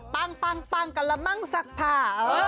ปังกันละมั่งสักผ่า